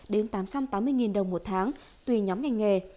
đến tám trăm tám mươi đồng một tháng tùy nhóm ngành nghề